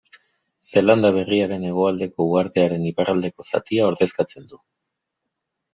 Zeelanda Berriaren hegoaldeko uhartearen iparraldeko zatia ordezkatzen du.